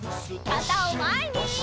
かたをまえに！